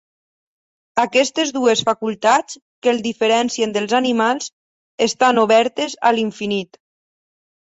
Aquestes dues facultats, que el diferencien dels animals, estan obertes a l'infinit.